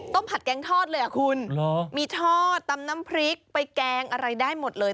ผัดแกงทอดเลยอ่ะคุณมีทอดตำน้ำพริกไปแกงอะไรได้หมดเลย